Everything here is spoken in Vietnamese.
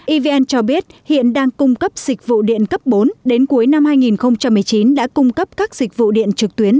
evn cho biết hiện đang cung cấp dịch vụ điện cấp bốn đến cuối năm hai nghìn một mươi chín đã cung cấp các dịch vụ điện trực tuyến